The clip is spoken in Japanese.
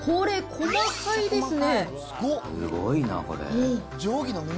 すごいな、これ。